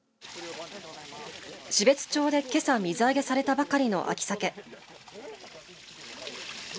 標津町で、けさ水揚げされたばかりの秋サケ。